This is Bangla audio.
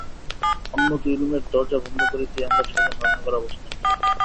অন্য দুই রুমের দরজা বন্ধ করে দিয়ে আমরা ছয়জন রান্নাঘরে অবস্থান নিই।